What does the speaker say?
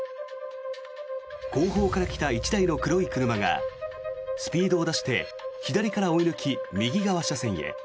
後方から来た１台の黒い車がスピードを出して左から追い抜き、右側車線へ。